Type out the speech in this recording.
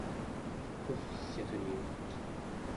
qull'irmiut